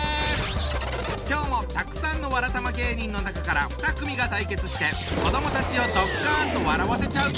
今日もたくさんのわらたま芸人の中から２組が対決して子どもたちをドッカンと笑わせちゃうぞ！